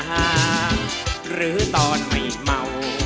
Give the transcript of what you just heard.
หรือตอนไม่เมา